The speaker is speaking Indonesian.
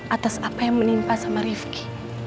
atas apa yang menimpa sama rifki